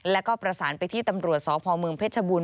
แล้วก็ประสานไปที่ตำรวจสพเมืองเพชรบูรณ